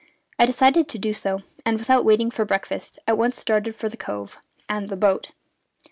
I decided to do so, and, without waiting for breakfast, at once started for the cove and the boat.